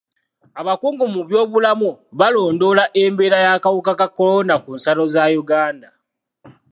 Abakungu mu byobulamu balondoola embeera y'akawuka ka kolona ku nsalo za Uganda.